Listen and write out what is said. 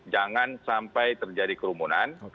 jangan sampai terjadi kerumunan